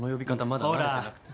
まだ慣れてなくて。